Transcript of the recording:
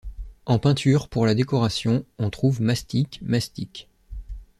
En peinture pour la décoration, on trouve mastic, mastic.